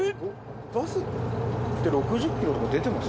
バスって６０キロとか出てます？